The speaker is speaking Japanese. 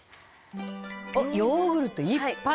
「あっヨーグルトいっぱい」